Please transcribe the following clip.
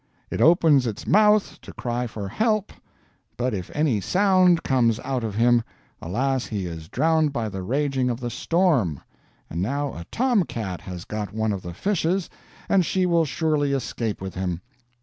It opens its Mouth to cry for Help; but if any Sound comes out of him, alas he is drowned by the raging of the Storm. And now a Tomcat has got one of the Fishes and she will surely escape with him.